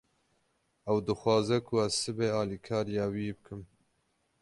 Ew dixwaze ku ez sibê alîkariya wî bikim.